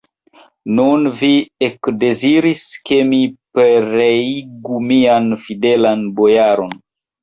Nun vi ekdeziris, ke mi pereigu mian fidelan bojaron!